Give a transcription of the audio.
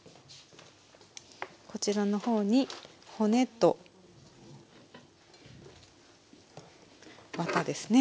こちらの方に骨とワタですね。